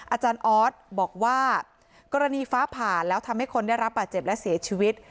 อาจารย์ออสบอกว่ากรณีฟ้าผ่าแล้วทำให้คนได้รับบาดเจ็บและเสียชีวิต